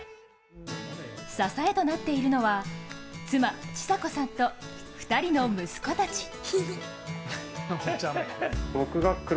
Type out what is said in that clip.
支えとなっているのは妻、知紗子さんと２人の息子たち。